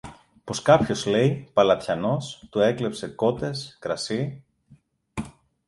πως κάποιος, λέει, παλατιανός του έκλεψε κότες, κρασί